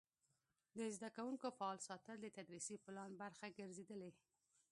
د زده کوونکو فعال ساتل د تدریسي پلان برخه ګرځېدلې.